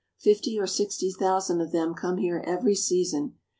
Fifty or sixty thousand of them come here every season.